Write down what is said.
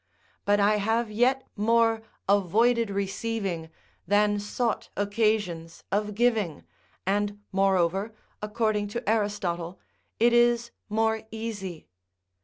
But I have yet more avoided receiving than sought occasions of giving, and moreover, according to Aristotle, it is more easy.